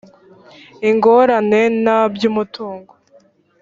ingorane na by umutungo